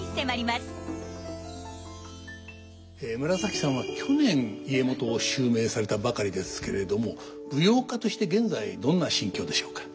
紫さんは去年家元を襲名されたばかりですけれども舞踊家として現在どんな心境でしょうか？